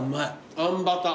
あんバター。